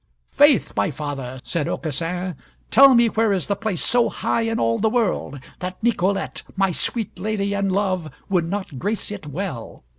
"Faith! my father," said Aucassin, "tell me where is the place so high in all the world, that Nicolette, my sweet lady and love, would not grace it well?